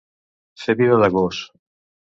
Fer vida de gos.